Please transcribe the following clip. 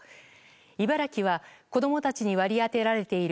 茨城は子供たちに割り当てられている